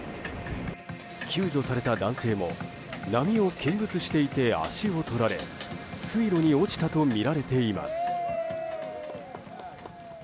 救助された男性も波を見物していて足をとられ水路に落ちたとみられています。